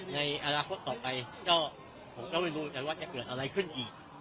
ในอนาคตต่อไปก็ผมก็ไม่รู้เหมือนกันว่าจะเกิดอะไรขึ้นอีก